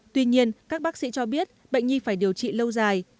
tuy nhiên các bác sĩ cho biết bệnh nhi phải điều trị lâu dài